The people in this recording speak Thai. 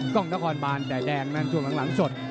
กล้องละครบานแดดแดงนั่งจวงหลังสด